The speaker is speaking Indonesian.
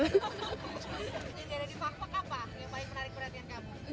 yang ada di pakpak apa yang paling menarik perhatian kamu